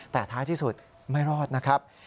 แต่ท้ายที่สุดไม่รอดนะครับ